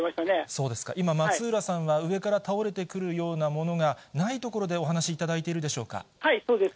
そうですか、今、松浦さんは上から倒れてくるようなものがない所でお話しいただいそうです。